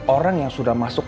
orang yang sudah masuk